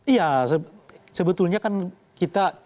iya sebetulnya kan kita